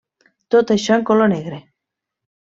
Tot això en color negre.